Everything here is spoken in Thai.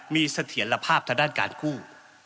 มีเสถียรภาพทางด้านการกู้